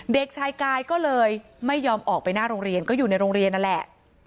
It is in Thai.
เด็กชายกายก็เลยไม่ยอมออกไปหน้าโรงเรียนก็อยู่ในโรงเรียนนั่นแหละ